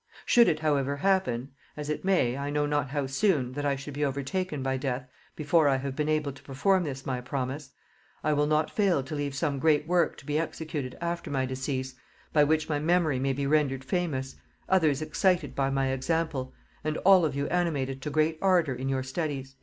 Should it however happen, as it may, I know not how soon, that I should be overtaken by death before I have been able to perform this my promise, I will not fail to leave some great work to be executed after my decease, by which my memory may be rendered famous, others excited by my example, and all of you animated to greater ardor in your studies."